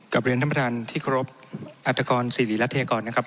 เรียนท่านประธานที่เคารพอัตกรสิริรัฐยากรนะครับ